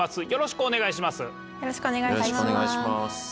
よろしくお願いします。